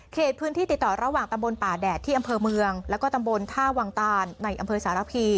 พื้นที่ติดต่อระหว่างตำบลป่าแดดที่อำเภอเมืองแล้วก็ตำบลท่าวังตานในอำเภอสารพี